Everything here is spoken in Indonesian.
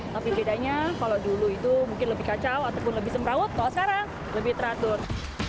tapi bedanya kalau dulu itu mungkin lebih kacau ataupun lebih semraut kalau sekarang lebih teratur